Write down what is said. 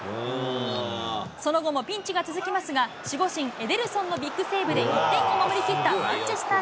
その後もピンチが続きますが、守護神、エデルソンのビッグセーブで１点を守り切ったマンチェスター